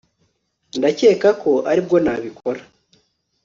ndakeka ko aribwo nabikora